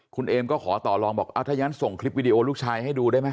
คุณเอมก็ขอต่อลองบอกถ้างั้นส่งคลิปวิดีโอลูกชายให้ดูได้ไหม